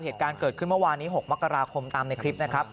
เหตุการณ์เกิดขึ้นเมื่อวานนี้๖มกราคมตามในคลิปนะครับ